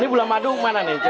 ini bulan madu mana nih